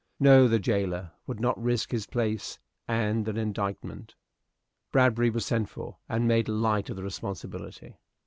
No; the jailer would not risk his place and an indictment. Bradbury was sent for, and made light of the responsibility.